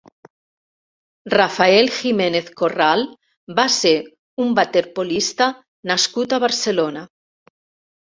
Rafael Jiménez Corral va ser un waterpolista nascut a Barcelona.